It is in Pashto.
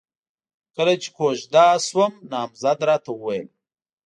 کله چې کوژده شوم، نامزد راته وويل: